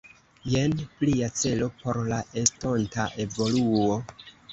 Jen plia celo por la estonta evoluo!